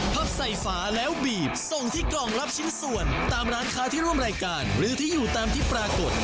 พับใส่ฝาแล้วบีบส่งที่กล่องรับชิ้นส่วนตามร้านค้าที่ร่วมรายการหรือที่อยู่ตามที่ปรากฏ